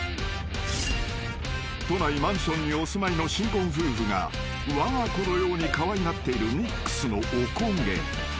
［都内マンションにお住まいの新婚夫婦がわが子のようにかわいがっている］